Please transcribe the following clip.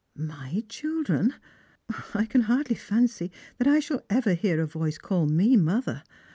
My children ! I can hardly fancy that I shall ever hear a voice call me mother.